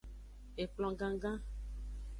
Ekplon gangan.